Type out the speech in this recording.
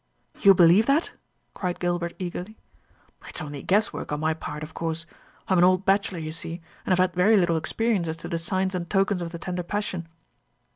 "You believe that!" cried Gilbert eagerly. "It is only guesswork on my part, of course. I am an old bachelor, you see, and have had very little experience as to the signs and tokens of the tender passion.